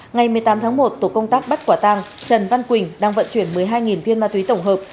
ngày một mươi tám tháng một tổ công tác bắt quả tăng trần văn quỳnh đang vận chuyển một mươi hai viên ma túy tổng hợp